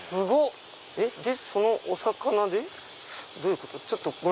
そのお魚でどういうことだ？